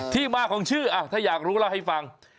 ที่มาของชื่อถ้าอยากรู้เล่าให้ฟัง